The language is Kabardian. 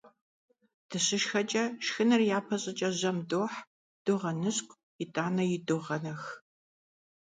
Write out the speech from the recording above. ДыщышхэкӀэ, шхыныр япэ щӀыкӀэ жьэм дохь, догъэныщкӀу, итӀанэ идогъэнэх.